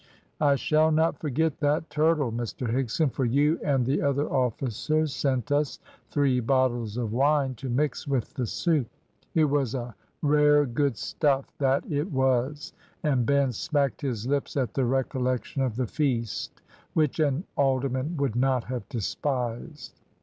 "I shall not forget that turtle, Mr Higson, for you and the other officers sent us three bottles of wine to mix with the soup. It was a rare good stuff, that it was," and Ben smacked his lips at the recollection of the feast, which an alderman would not have despised.